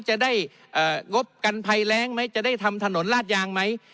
จะได้งบกันภัยแรงไหมจะได้ทำถนนลาดยางไหม